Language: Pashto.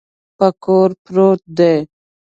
په کور پروت دی.